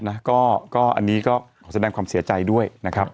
อันนี้ก็แสดงความเสียใจด้วย